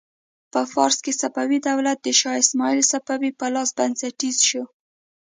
په فارس کې صفوي دولت د شا اسماعیل صفوي په لاس بنسټیز شو.